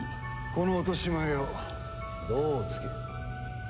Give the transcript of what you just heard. この落とし前をどうつける？